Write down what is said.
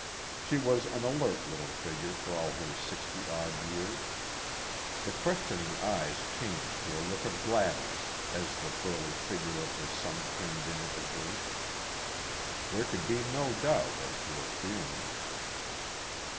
She was an alert little figure for all her sixty odd years. The questioning eyes changed to a look of gladness as the burly figure of her son turned in at the gate. There could be no doubt as to her feelings.